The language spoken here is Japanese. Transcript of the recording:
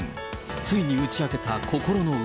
ついに打ち明けた心の内。